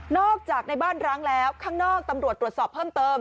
จากในบ้านร้างแล้วข้างนอกตำรวจตรวจสอบเพิ่มเติม